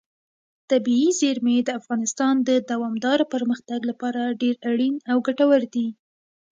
طبیعي زیرمې د افغانستان د دوامداره پرمختګ لپاره ډېر اړین او ګټور دي.